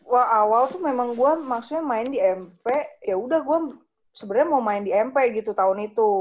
jadi awal tuh memang gue maksudnya main di mp ya udah gue sebenernya mau main di mp gitu tahun itu